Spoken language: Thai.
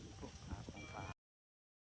ไม่เอาแต่แบบนี้